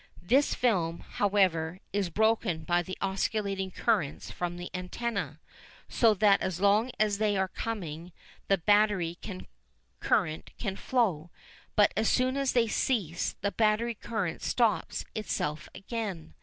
This film, however, is broken by the oscillating currents from the antenna, so that as long as they are coming the battery current can flow, but as soon as they cease the battery current stops itself again.